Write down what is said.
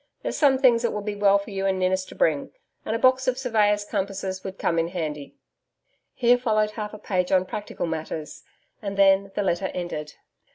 There's some things it would be well for you and Ninnis to bring, and a box of surveyor's compasses would come in handy. Here followed half a page on practical matters, and then the letter ended.